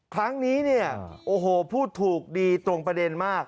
ครั้งนี้พูดถูกดีตรงประเด็นมาก